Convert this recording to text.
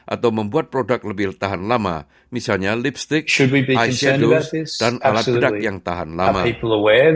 atau membuat produk lebih tahan lama misalnya lipstick ishadow dan alat pedak yang tahan lama